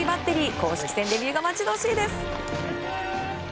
公式戦デビューが待ち遠しいです。